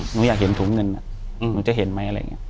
หนูอยากเห็นถุงเงินหนูจะเห็นไหมอะไรอย่างนี้